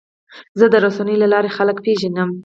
زه د رسنیو له لارې خلک پېژنم.